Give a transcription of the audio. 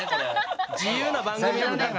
自由な番組なんだから。